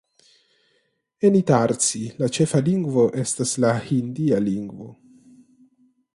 En Itarsi la ĉefa lingvo estas la hindia lingvo.